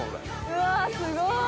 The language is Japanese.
うわあすごい！